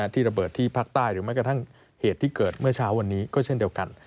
ที่ระเบิดที่ภาคใต้หรือแม้กระทั่งเหตุที่เกิดเมื่อเช้าวันนี้ก็เช่นเดียวกัน